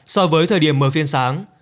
so với thời điểm mở phiên sáng